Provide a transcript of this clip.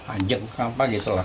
anjeng apa gitu lah